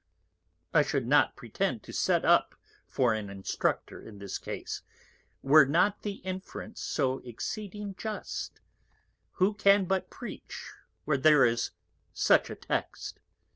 _ _I should not pretend to set up for an Instructor in this Case, were not the Inference so exceeding just; who can but preach where there is such a Text?